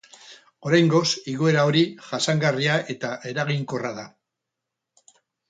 Oraingoz, igoera hori jasangarria eta eraginkorra da.